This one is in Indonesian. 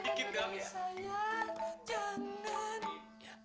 dikit doang ya